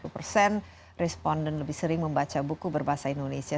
dua puluh persen responden lebih sering membaca buku berbahasa indonesia